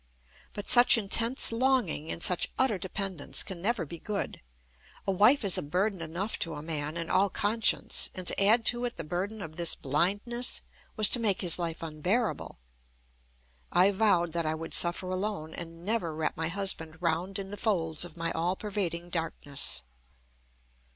But such intense longing and such utter dependence can never be good. A wife is a burden enough to a man, in all conscience, and to add to it the burden of this blindness was to make his life unbearable. I vowed that I would suffer alone, and never wrap my husband round in the folds of my all pervading darkness.